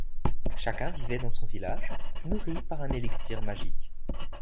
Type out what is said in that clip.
Chacun vivait dans son village, nourri par un élixir magique.